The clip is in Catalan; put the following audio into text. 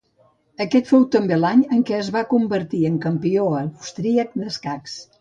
Aquest fou també l'any en què es va convertir en campió austríac d'escacs.